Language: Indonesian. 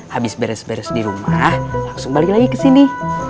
habis beres beres di rumah langsung balik lagi ke sini